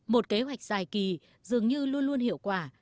một kế hoạch dài kỳ dường như luôn luôn hiệu quả